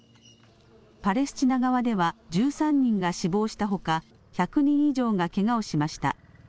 パレスチナ側では１３人が死亡したほか、１００人以上がけがをしました。